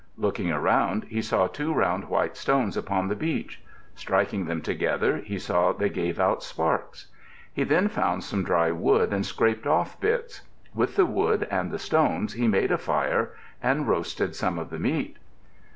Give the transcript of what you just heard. Looking around, he saw two round white stones upon the beach. Striking them together, he saw they gave out sparks. He then found some dry wood and scraped off bits. With the wood and the stones he made a fire, and roasted some of the meat.